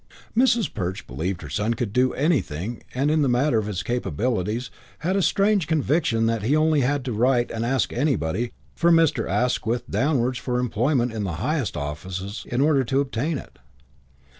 VII Mrs. Perch believed her son could do anything and, in the matter of his capabilities, had the strange conviction that he had only to write and ask anybody, from Mr. Asquith downwards, for employment in the highest offices in order to obtain it.